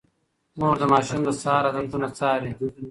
مور د ماشوم د سهار عادتونه څاري.